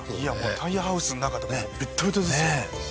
タイヤハウスの中とかベットベトですよ。